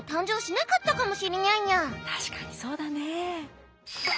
確かにそうだね。